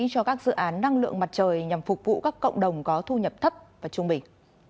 cho các dự án năng lượng mặt trời nhằm phục vụ các cộng đồng có thu nhập thấp và trung bình